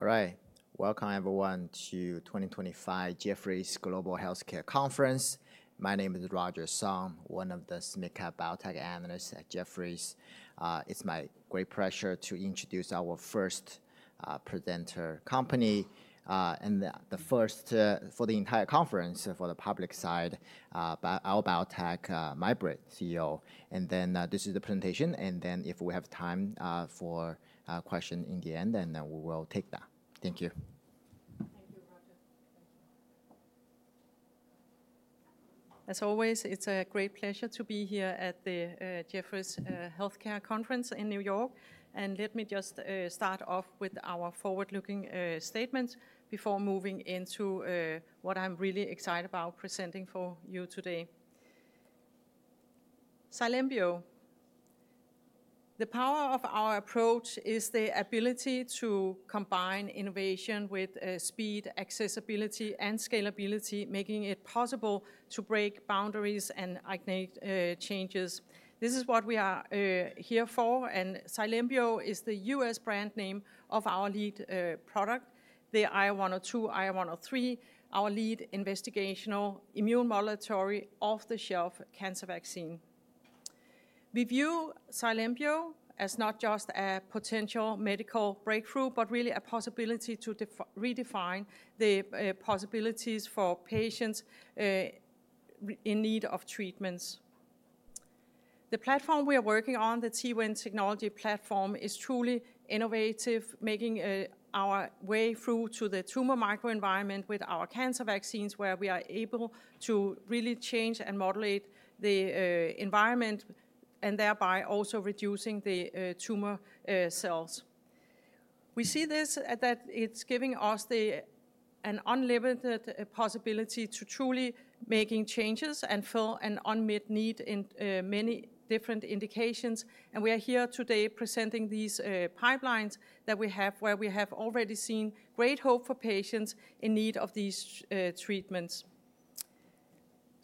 All right. Welcome, everyone, to 2025 Jefferies Global Healthcare Conference. My name is Roger Song, one of the SMICA Biotech Analysts at Jefferies. It's my great pleasure to introduce our first presenter company and the first for the entire conference for the public side, IO Biotech, Mai-Britt, CEO. And then this is the presentation. And then if we have time for questions in the end, then we will take that. Thank you. Thank you, As always, it's a great pleasure to be here at the Jefferies Healthcare Conference in New York. Let me just start off with our forward-looking statements before moving into what I'm really excited about presenting for you today. Cylembio. The power of our approach is the ability to combine innovation with speed, accessibility, and scalability, making it possible to break boundaries and ignite changes. This is what we are here for. Cylembio is the U.S. brand name of our lead product, the IO-102, IO-103, our lead investigational immune modulatory off-the-shelf cancer vaccine. We view Cylembio as not just a potential medical breakthrough, but really a possibility to redefine the possibilities for patients in need of treatments. The platform we are working on, the Twin Technology Platform, is truly innovative, making our way through to the tumor microenvironment with our cancer vaccines, where we are able to really change and modulate the environment and thereby also reducing the tumor cells. We see this that it's giving us an unlimited possibility to truly make changes and fill an unmet need in many different indications. We are here today presenting these pipelines that we have, where we have already seen great hope for patients in need of these treatments.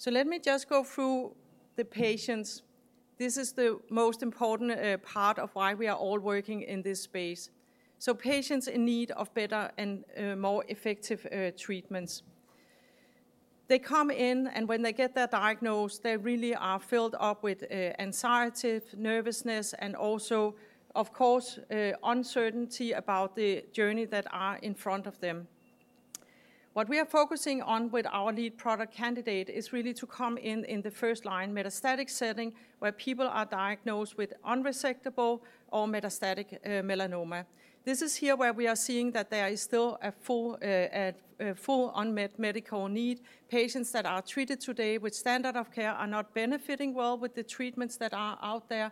Let me just go through the patients. This is the most important part of why we are all working in this space. Patients in need of better and more effective treatments. They come in, and when they get their diagnosis, they really are filled up with anxiety, nervousness, and also, of course, uncertainty about the journey that is in front of them. What we are focusing on with our lead product candidate is really to come in in the first line metastatic setting, where people are diagnosed with unresectable or metastatic melanoma. This is here where we are seeing that there is still a full unmet medical need. Patients that are treated today with standard of care are not benefiting well with the treatments that are out there.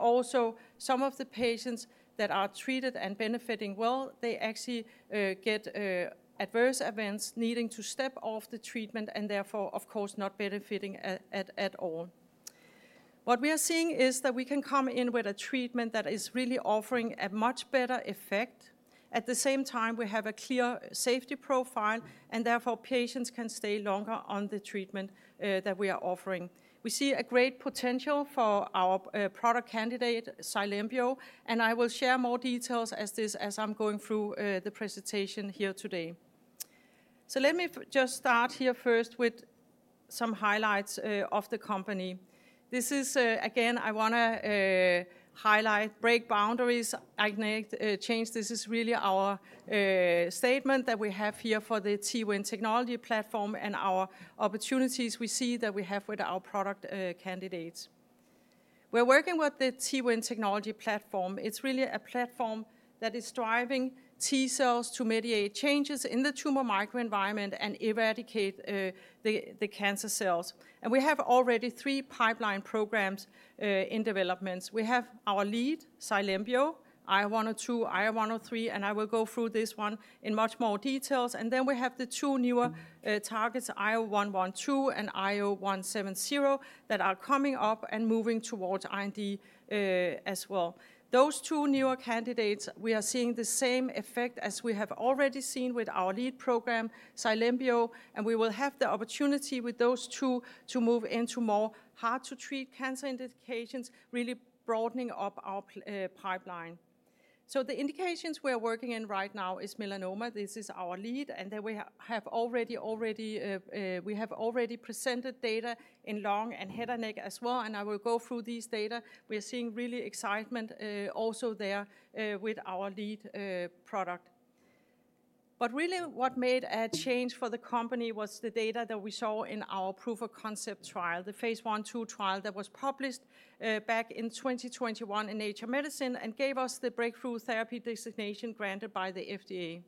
Also, some of the patients that are treated and benefiting well, they actually get adverse events needing to step off the treatment and therefore, of course, not benefiting at all. What we are seeing is that we can come in with a treatment that is really offering a much better effect. At the same time, we have a clear safety profile, and therefore patients can stay longer on the treatment that we are offering. We see a great potential for our product candidate, Cylembio, and I will share more details as I'm going through the presentation here today. Let me just start here first with some highlights of the company. This is, again, I want to highlight break boundaries, ignite change. This is really our statement that we have here for the Twin Technology Platform and our opportunities we see that we have with our product candidates. We're working with the Twin Technology Platform. It's really a platform that is driving T cells to mediate changes in the tumor microenvironment and eradicate the cancer cells. We have already three pipeline programs in development. We have our lead, Cylembio, IO-102, IO-103, and I will go through this one in much more details. Then we have the two newer targets, IO-112 and IO-170, that are coming up and moving towards IND as well. Those two newer candidates, we are seeing the same effect as we have already seen with our lead program, Cylembio, and we will have the opportunity with those two to move into more hard-to-treat cancer indications, really broadening up our pipeline. The indications we are working in right now is melanoma. This is our lead, and we have already presented data in lung and head and neck as well. I will go through these data. We are seeing really excitement also there with our lead product. Really, what made a change for the company was the data that we saw in our proof of concept trial, the phase I, II trial that was published back in 2021 in Nature Medicine and gave us the breakthrough therapy designation granted by the FDA.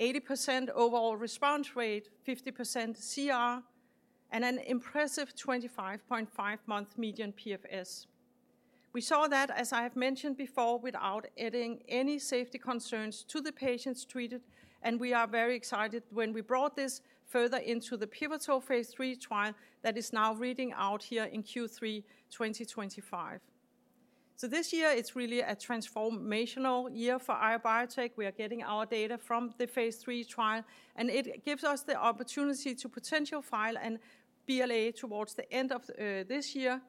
80% overall response rate, 50% CR, and an impressive 25.5 month median PFS. We saw that, as I have mentioned before, without adding any safety concerns to the patients treated. We are very excited when we brought this further into the pivotal phase III trial that is now reading out here in Q3 2025. This year, it's really a transformational year for IO Biotech. We are getting our data from the phase three trial, and it gives us the opportunity to potential file a BLA towards the end of this year.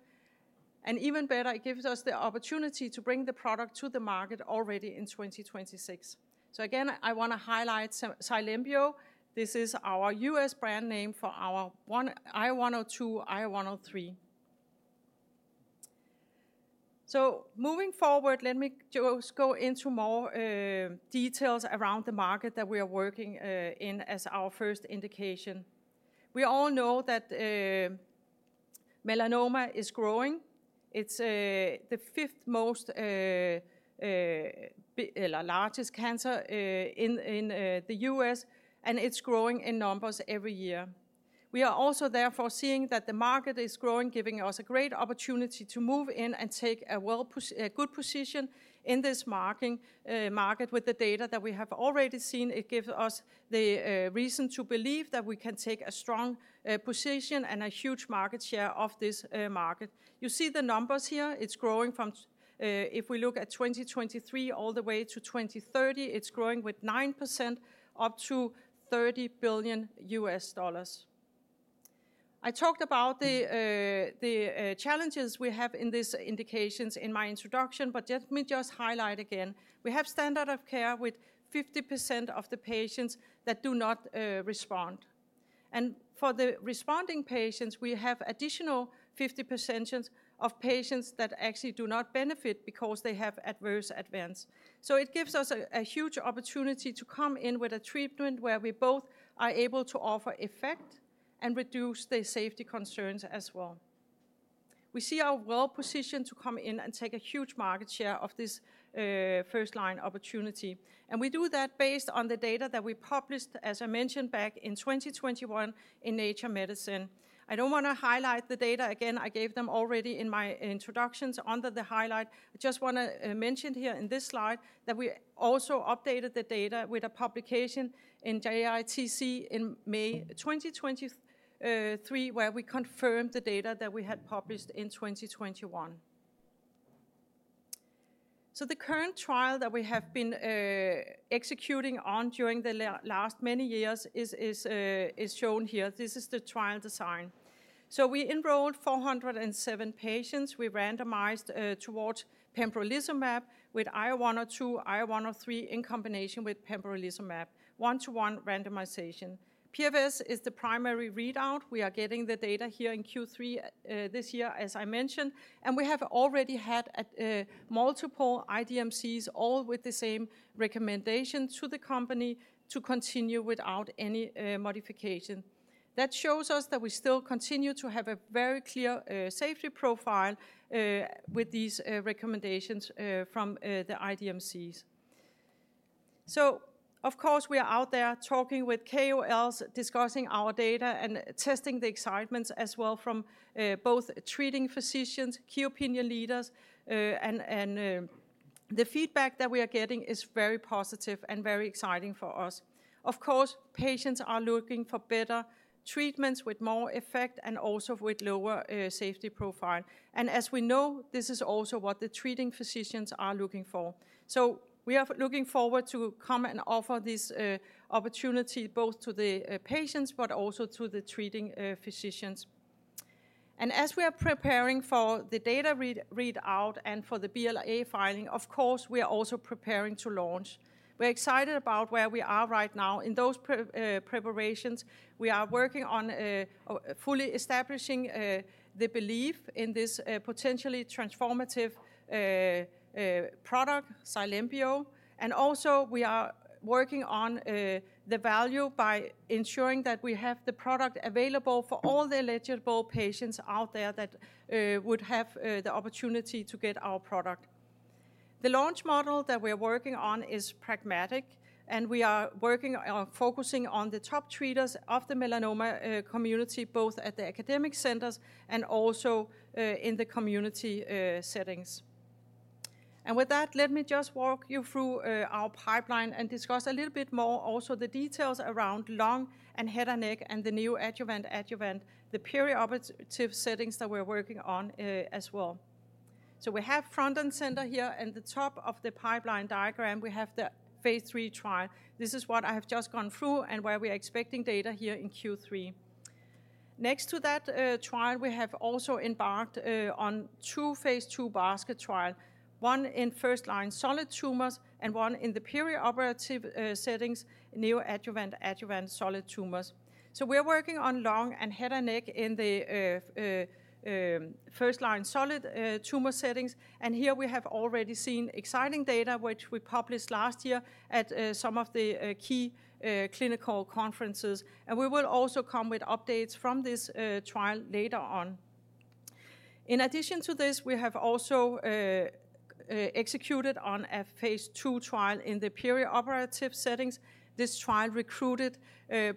It gives us the opportunity to bring the product to the market already in 2026. Again, I want to highlight Cylembio. This is our U.S. brand name for our IO-102, IO-103. Moving forward, let me just go into more details around the market that we are working in as our first indication. We all know that melanoma is growing. It is the fifth largest cancer in the U.S., and it is growing in numbers every year. We are also therefore seeing that the market is growing, giving us a great opportunity to move in and take a good position in this market with the data that we have already seen. It gives us the reason to believe that we can take a strong position and a huge market share of this market. You see the numbers here. It's growing from, if we look at 2023 all the way to 2030, it's growing with 9% up to $30 billion. I talked about the challenges we have in these indications in my introduction, but let me just highlight again. We have standard of care with 50% of the patients that do not respond. For the responding patients, we have additional 50% of patients that actually do not benefit because they have adverse events. It gives us a huge opportunity to come in with a treatment where we both are able to offer effect and reduce the safety concerns as well. We see our well-positioned to come in and take a huge market share of this first line opportunity. We do that based on the data that we published, as I mentioned, back in 2021 in Nature Medicine. I don't want to highlight the data again. I gave them already in my introductions under the highlight. I just want to mention here in this slide that we also updated the data with a publication in JITC in May 2023, where we confirmed the data that we had published in 2021. The current trial that we have been executing on during the last many years is shown here. This is the trial design. We enrolled 407 patients. We randomized towards pembrolizumab with IO-102, IO-103 in combination with pembrolizumab, one-to-one randomization. PFS is the primary readout. We are getting the data here in Q3 this year, as I mentioned. We have already had multiple IDMCs, all with the same recommendation to the company to continue without any modification. That shows us that we still continue to have a very clear safety profile with these recommendations from the IDMCs. Of course, we are out there talking with KOLs, discussing our data and testing the excitements as well from both treating physicians, key opinion leaders, and the feedback that we are getting is very positive and very exciting for us. Of course, patients are looking for better treatments with more effect and also with lower safety profile. As we know, this is also what the treating physicians are looking for. We are looking forward to come and offer this opportunity both to the patients, but also to the treating physicians. As we are preparing for the data readout and for the BLA filing, of course, we are also preparing to launch. We're excited about where we are right now. In those preparations, we are working on fully establishing the belief in this potentially transformative product, Cylembio. Also, we are working on the value by ensuring that we have the product available for all the eligible patients out there that would have the opportunity to get our product. The launch model that we are working on is pragmatic, and we are working on focusing on the top treaters of the melanoma community, both at the academic centers and also in the community settings. With that, let me just walk you through our pipeline and discuss a little bit more also the details around lung and head and neck and the neoadjuvant-adjuvant, the perioperative settings that we're working on as well. We have front and center here in the top of the pipeline diagram, we have the phase III trial. This is what I have just gone through and where we are expecting data here in Q3. Next to that trial, we have also embarked on II phase two basket trials, one in first line solid tumors and one in the perioperative settings, neoadjuvant-adjuvant solid tumors. We are working on lung and head and neck in the first line solid tumor settings. Here we have already seen exciting data, which we published last year at some of the key clinical conferences. We will also come with updates from this trial later on. In addition to this, we have also executed on a phase II trial in the perioperative settings. This trial recruited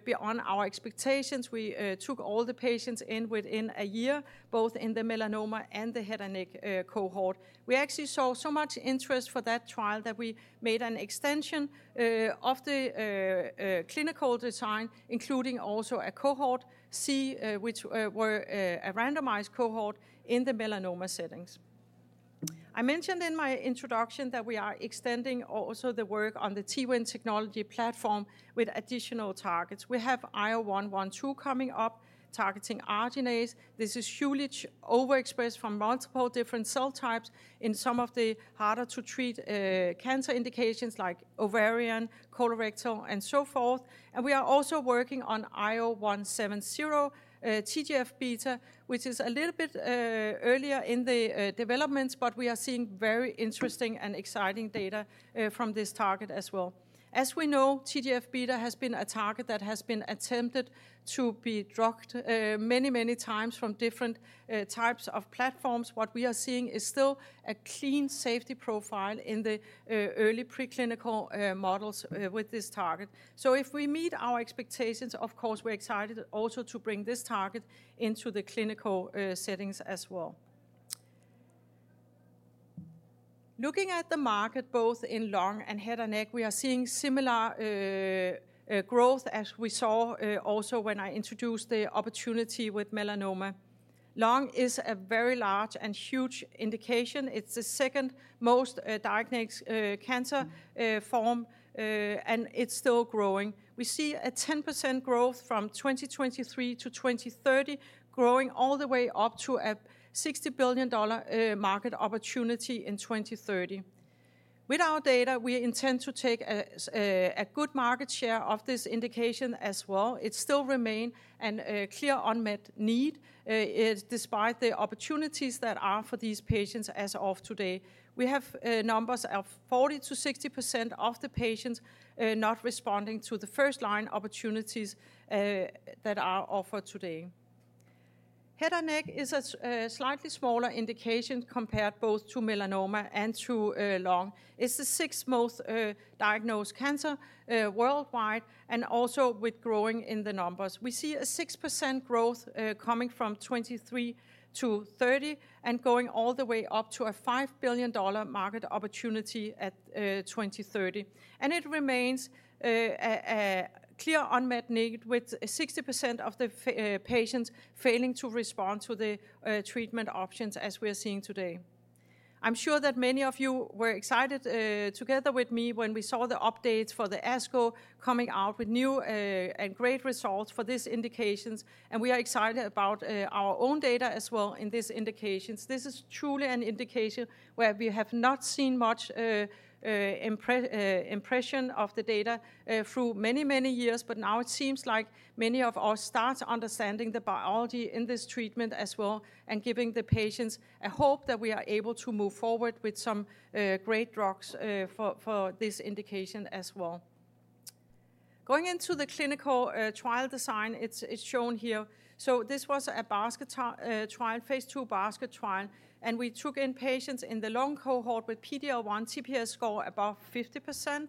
beyond our expectations. We took all the patients in within a year, both in the melanoma and the head and neck cohort. We actually saw so much interest for that trial that we made an extension of the clinical design, including also a cohort C, which were a randomized cohort in the melanoma settings. I mentioned in my introduction that we are extending also the work on the Twin Technology Platform with additional targets. We have IO-112 coming up, targeting arginase. This is hugely overexpressed from multiple different cell types in some of the harder-to-treat cancer indications like ovarian, colorectal, and so forth. We are also working on IO-170, TGF-beta, which is a little bit earlier in the development, but we are seeing very interesting and exciting data from this target as well. As we know, TGF-beta has been a target that has been attempted to be dropped many, many times from different types of platforms. What we are seeing is still a clean safety profile in the early preclinical models with this target. If we meet our expectations, of course, we're excited also to bring this target into the clinical settings as well. Looking at the market, both in lung and head and neck, we are seeing similar growth as we saw also when I introduced the opportunity with melanoma. Lung is a very large and huge indication. It is the second most diagnosed cancer form, and it is still growing. We see a 10% growth from 2023-2030, growing all the way up to a $60 billion market opportunity in 2030. With our data, we intend to take a good market share of this indication as well. It still remains a clear unmet need despite the opportunities that are for these patients as of today. We have numbers of 40%-60% of the patients not responding to the first line opportunities that are offered today. Head and neck is a slightly smaller indication compared both to melanoma and to lung. It is the sixth most diagnosed cancer worldwide and also with growing in the numbers. We see a 6% growth coming from 2023-2030 and going all the way up to a $5 billion market opportunity at 2030. It remains a clear unmet need with 60% of the patients failing to respond to the treatment options as we are seeing today. I'm sure that many of you were excited together with me when we saw the updates for the ASCO coming out with new and great results for these indications. We are excited about our own data as well in these indications. This is truly an indication where we have not seen much impression of the data through many, many years, but now it seems like many of us start understanding the biology in this treatment as well and giving the patients a hope that we are able to move forward with some great drugs for this indication as well. Going into the clinical trial design, it is shown here. This was a phase II basket trial, and we took in patients in the lung cohort with PD-L1 TPS score above 50%.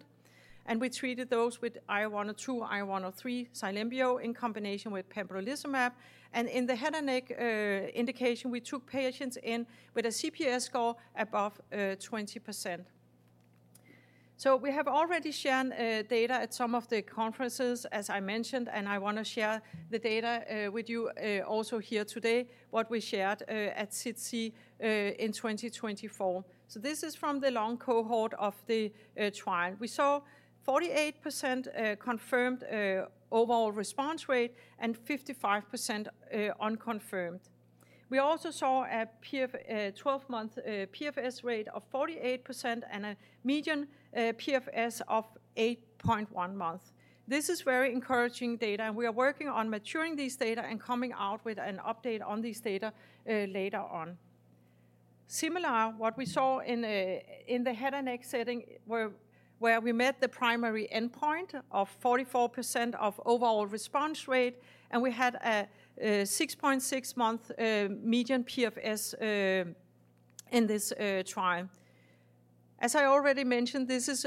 We treated those with IO-102, IO-103, Cylembio in combination with pembrolizumab. In the head and neck indication, we took patients in with a CPS score above 20%. We have already shared data at some of the conferences, as I mentioned, and I want to share the data with you also here today, what we shared at CTC in 2024. This is from the lung cohort of the trial. We saw 48% confirmed overall response rate and 55% unconfirmed. We also saw a 12-month PFS rate of 48% and a median PFS of 8.1 months. This is very encouraging data, and we are working on maturing these data and coming out with an update on these data later on. Similar, what we saw in the head and neck setting where we met the primary endpoint of 44% of overall response rate, and we had a 6.6-month median PFS in this trial. As I already mentioned, this is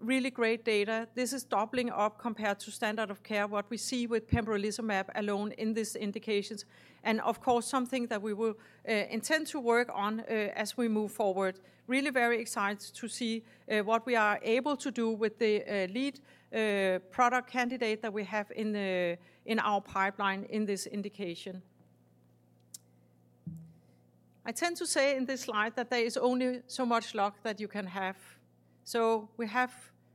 really great data. This is doubling up compared to standard of care, what we see with pembrolizumab alone in these indications. Of course, something that we will intend to work on as we move forward. Really very excited to see what we are able to do with the lead product candidate that we have in our pipeline in this indication. I tend to say in this slide that there is only so much luck that you can have. We have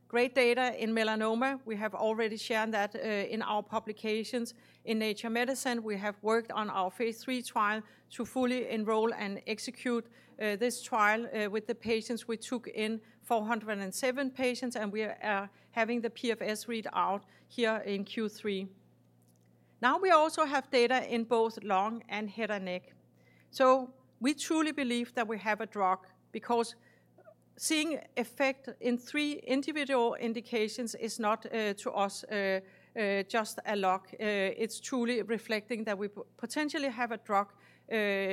great data in melanoma. We have already shared that in our publications in Nature Medicine. We have worked on our phase III trial to fully enroll and execute this trial with the patients. We took in 407 patients, and we are having the PFS readout here in Q3. Now we also have data in both lung and head and neck. We truly believe that we have a drug because seeing effect in three individual indications is not to us just a luck. It is truly reflecting that we potentially have a drug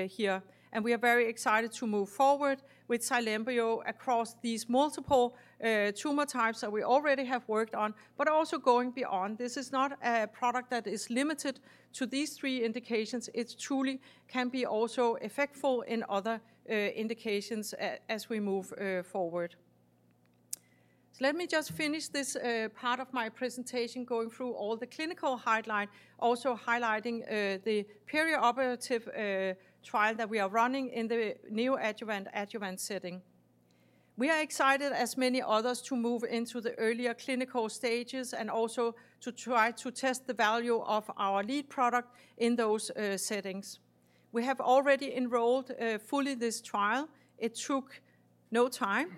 here. We are very excited to move forward with Cylembio across these multiple tumor types that we already have worked on, but also going beyond. This is not a product that is limited to these three indications. It truly can be also effectful in other indications as we move forward. Let me just finish this part of my presentation going through all the clinical highlight, also highlighting the perioperative trial that we are running in the neoadjuvant-adjuvant setting. We are excited, as many others, to move into the earlier clinical stages and also to try to test the value of our lead product in those settings. We have already enrolled fully this trial. It took no time,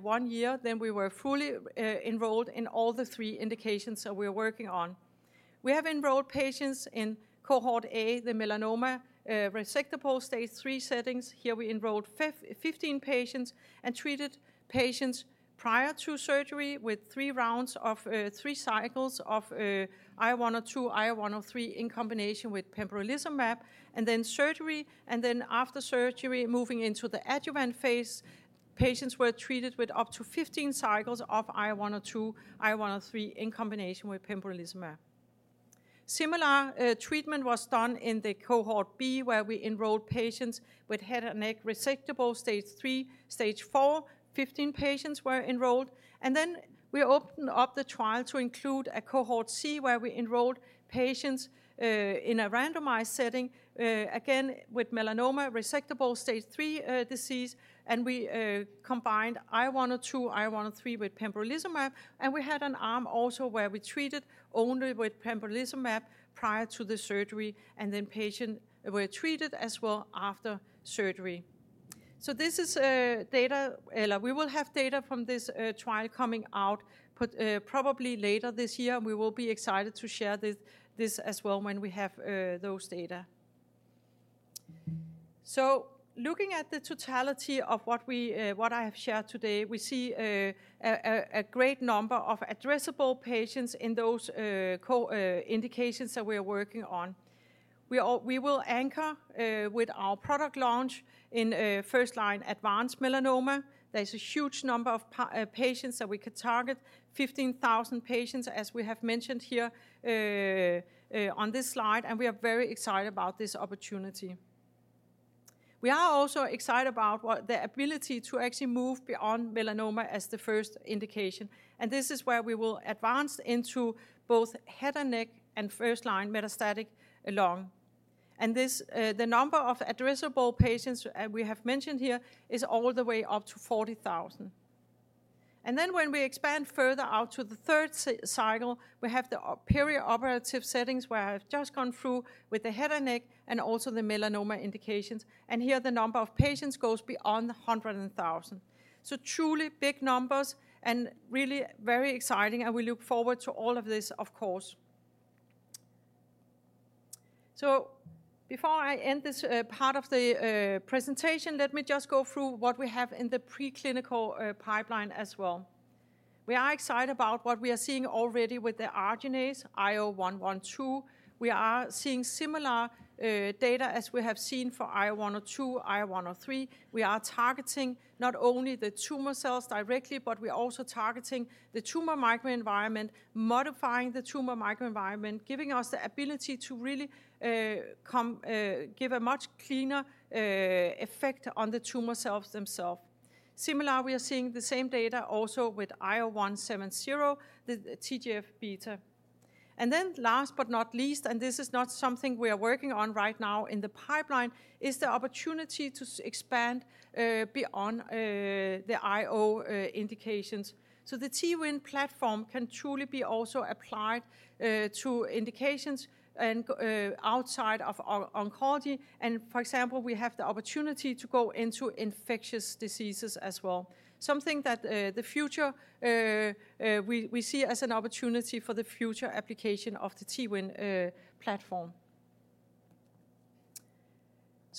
one year. Then we were fully enrolled in all the three indications that we are working on. We have enrolled patients in cohort A, the melanoma resectable stage three settings. Here we enrolled 15 patients and treated patients prior to surgery with three rounds of three cycles of IO-102, IO-103 in combination with pembrolizumab, then surgery. After surgery, moving into the adjuvant phase, patients were treated with up to 15 cycles of IO-102, IO-103 in combination with pembrolizumab. Similar treatment was done in the cohort B, where we enrolled patients with head and neck resectable stage three, stage four. 15 patients were enrolled. We opened up the trial to include a cohort C, where we enrolled patients in a randomized setting, again with melanoma resectable stage three disease. We combined IO-102, IO-103 with pembrolizumab. We had an arm also where we treated only with pembrolizumab prior to the surgery. Then patients were treated as well after surgery. This is data, or we will have data from this trial coming out probably later this year. We will be excited to share this as well when we have those data. Looking at the totality of what I have shared today, we see a great number of addressable patients in those indications that we are working on. We will anchor with our product launch in first line advanced melanoma. There is a huge number of patients that we could target, 15,000 patients, as we have mentioned here on this slide. We are very excited about this opportunity. We are also excited about the ability to actually move beyond melanoma as the first indication. This is where we will advance into both head and neck and first line metastatic lung. The number of addressable patients we have mentioned here is all the way up to 40,000. When we expand further out to the third cycle, we have the perioperative settings where I have just gone through with the head and neck and also the melanoma indications. Here the number of patients goes beyond 100,000. Truly big numbers and really very exciting. We look forward to all of this, of course. Before I end this part of the presentation, let me just go through what we have in the preclinical pipeline as well. We are excited about what we are seeing already with the arginase IO-112. We are seeing similar data as we have seen for IO-102, IO-103. We are targeting not only the tumor cells directly, but we are also targeting the tumor microenvironment, modifying the tumor microenvironment, giving us the ability to really give a much cleaner effect on the tumor cells themselves. Similarly, we are seeing the same data also with IO-170, the TGF-beta. Last but not least, and this is not something we are working on right now in the pipeline, is the opportunity to expand beyond the IO indications. The Twin Platform can truly be also applied to indications outside of oncology. For example, we have the opportunity to go into infectious diseases as well. Something that in the future we see as an opportunity for the future application of the Twin Platform.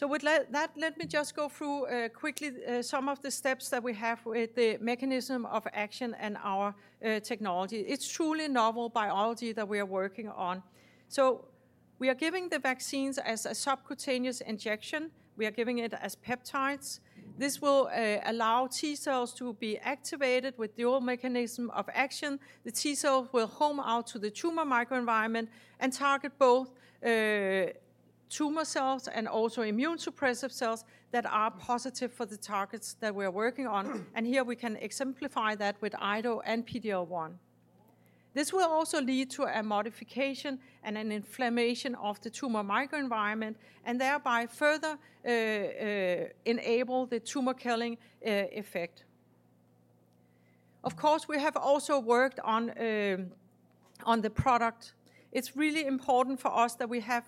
With that, let me just go through quickly some of the steps that we have with the mechanism of action and our technology. It's truly novel biology that we are working on. We are giving the vaccines as a subcutaneous injection. We are giving it as peptides. This will allow T cells to be activated with dual mechanism of action. The T cells will home out to the tumor microenvironment and target both tumor cells and also immune suppressive cells that are positive for the targets that we are working on. Here we can exemplify that with IDO and PD-L1. This will also lead to a modification and an inflammation of the tumor microenvironment and thereby further enable the tumor killing effect. Of course, we have also worked on the product. It's really important for us that we have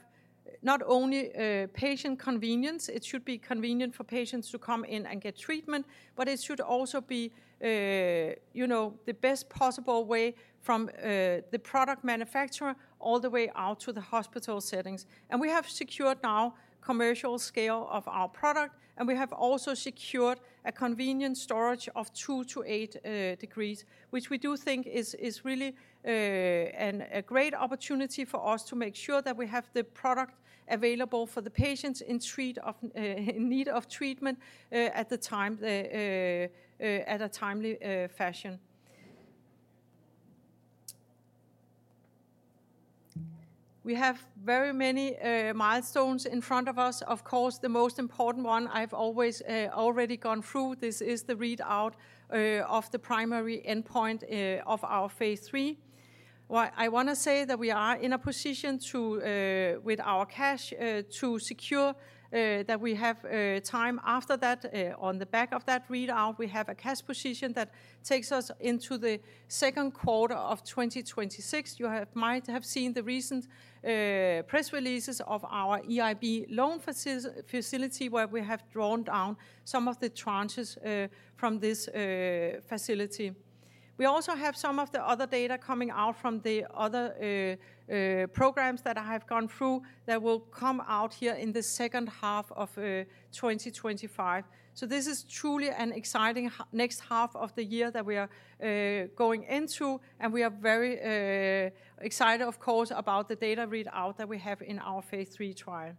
not only patient convenience. It should be convenient for patients to come in and get treatment, but it should also be the best possible way from the product manufacturer all the way out to the hospital settings. We have secured now commercial scale of our product. We have also secured a convenient storage of 2 degrees-8 degrees, which we do think is really a great opportunity for us to make sure that we have the product available for the patients in need of treatment at a timely fashion. We have very many milestones in front of us. Of course, the most important one I have always already gone through. This is the readout of the primary endpoint of our phase III. I want to say that we are in a position with our cash to secure that we have time after that. On the back of that readout, we have a cash position that takes us into the second quarter of 2026. You might have seen the recent press releases of our EIB loan facility where we have drawn down some of the tranches from this facility. We also have some of the other data coming out from the other programs that I have gone through that will come out here in the second half of 2025. This is truly an exciting next half of the year that we are going into. We are very excited, of course, about the data readout that we have in our phase III trial.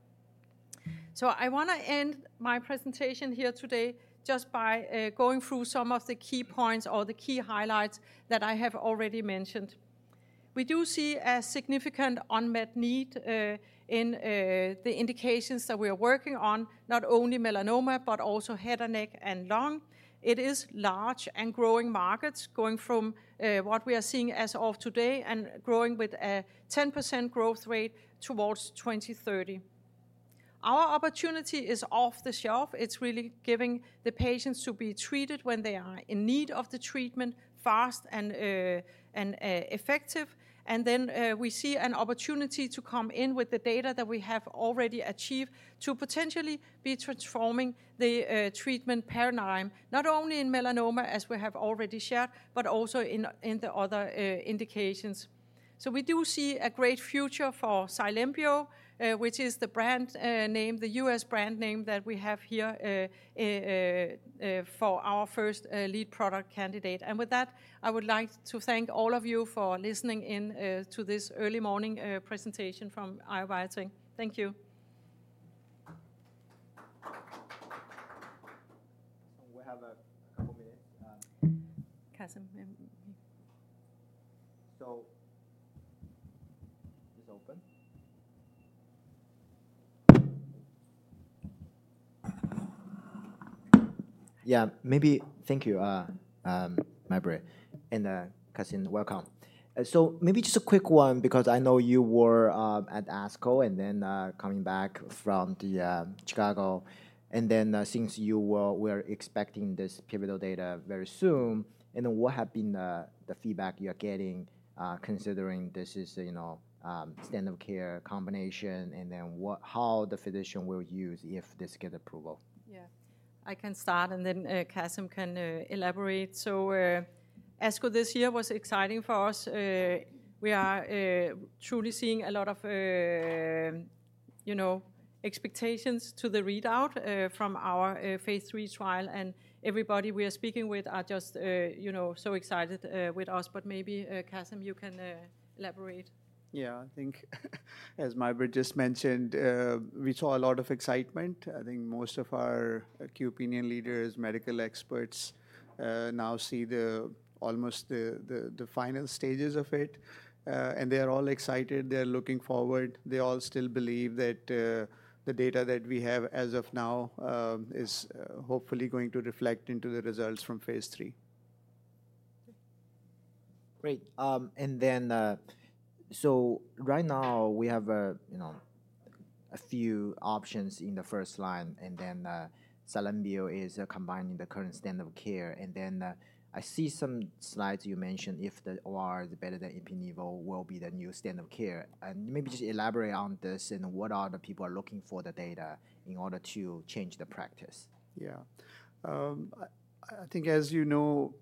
I want to end my presentation here today just by going through some of the key points or the key highlights that I have already mentioned. We do see a significant unmet need in the indications that we are working on, not only melanoma, but also head and neck and lung. It is large and growing markets going from what we are seeing as of today and growing with a 10% growth rate towards 2030. Our opportunity is off the shelf. It is really giving the patients to be treated when they are in need of the treatment fast and effective. We see an opportunity to come in with the data that we have already achieved to potentially be transforming the treatment paradigm, not only in melanoma, as we have already shared, but also in the other indications. We do see a great future for Cylembio, which is the U.S. brand name that we have here for our first lead product candidate. I would like to thank all of you for listening in to this early morning presentation from IO Biotech. Thank you. We have a couple of minutes. Kasim. It's open. Yeah, maybe thank you, Mai-Britt and Kasim. Welcome. Maybe just a quick one because I know you were at ASCO and then coming back from Chicago. Since you were expecting this pivotal data very soon, what have been the feedback you are getting considering this is standard of care combination and then how the physician will use if this gets approval? Yeah, I can start and then Kasim can elaborate. ASCO this year was exciting for us. We are truly seeing a lot of expectations to the readout from our phase three trial. Everybody we are speaking with are just so excited with us. Maybe Kasim, you can elaborate. Yeah, I think as Mai-Britt just mentioned, we saw a lot of excitement. I think most of our key opinion leaders, medical experts now see almost the final stages of it. They are all excited. They're looking forward. They all still believe that the data that we have as of now is hopefully going to reflect into the results from phase three. Great. Right now we have a few options in the first line. Silent Bio is combining the current standard of care. I see some slides you mentioned if the OR is better than EpiNevo, it will be the new standard of care. Maybe just elaborate on this and what are the people looking for in the data in order to change the practice? Yeah. I think as you know,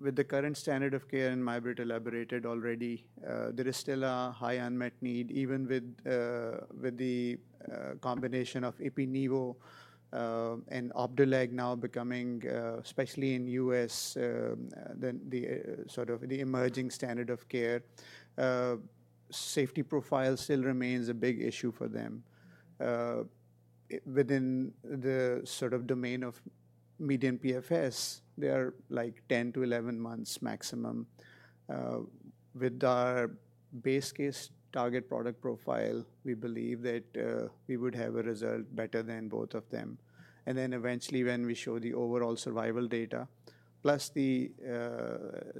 with the current standard of care and Mai-Britt elaborated already, there is still a high unmet need even with the combination of Yervoy and Opdivo now becoming, especially in the U.S., sort of the emerging standard of care. Safety profile still remains a big issue for them. Within the sort of domain of median PFS, they are like 10-11 months maximum. With our base case target product profile, we believe that we would have a result better than both of them. Eventually when we show the overall survival data, plus the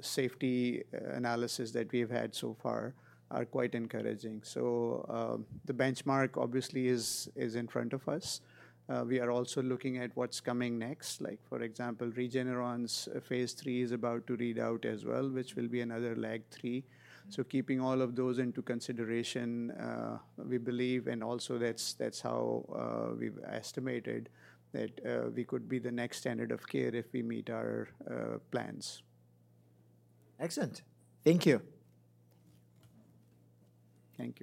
safety analysis that we have had so far, are quite encouraging. The benchmark obviously is in front of us. We are also looking at what's coming next. For example, Regeneron's phase 3 is about to read out as well, which will be another leg three. Keeping all of those into consideration, we believe, and also that's how we've estimated that we could be the next standard of care if we meet our plans. Excellent. Thank you. Thank you.